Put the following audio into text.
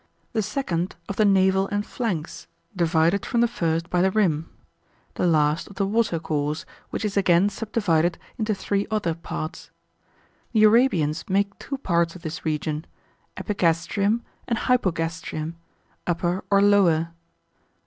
The second of the navel and flanks, divided from the first by the rim. The last of the water course, which is again subdivided into three other parts. The Arabians make two parts of this region, Epigastrium and Hypogastrium, upper or lower.